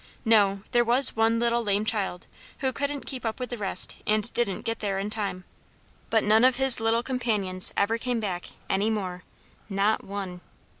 No, there was one little lame child, who couldn't keep up with the rest and didn't get there in time. But none of his little companions ever came back any more, not one.